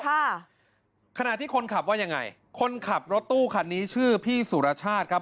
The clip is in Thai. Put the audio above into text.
ขณะที่คนขับว่ายังไงคนขับรถตู้คันนี้ชื่อพี่สุรชาติครับ